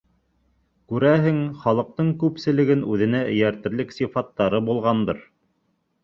- Күрәһең, халыҡтың күпселеген үҙенә эйәртерлек сифаттары булғандыр.